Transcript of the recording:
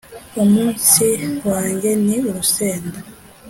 umunsi wanjye ni urusenda